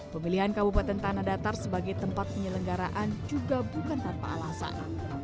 pemilihan kabupaten tanah datar sebagai tempat penyelenggaraan juga bukan tanpa alasan